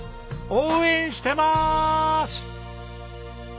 応援してまーす！